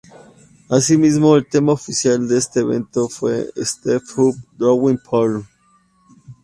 Así mismo, El tema oficial de este evento fue Step Up de Drowning Pool.